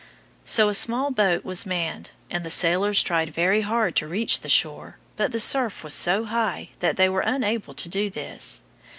So a small boat was manned, and the sailors tried very hard to reach the shore, but the surf was so high that they were unable to do this.